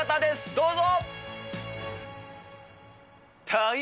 どうぞ。